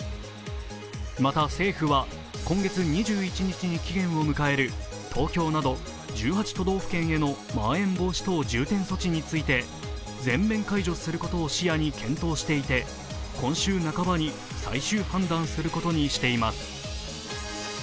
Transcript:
また、政府は今月２１日に期限を迎える東京など１８都道府県へのまん延防止等重点措置について、全面解除することを視野に検討していて今週半ばに最終判断することにしています。